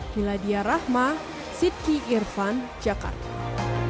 hiladya rahma sidky irfan jakarta